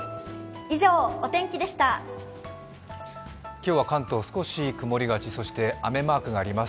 今日は関東少し曇りがち、そして雨マークがあります。